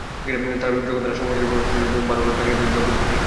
যখন তাঁরা শ্রমবাজারে প্রবেশ করেছিলেন, ভালো ভালো চাকরি তাঁদের জন্য অপেক্ষা করছিল।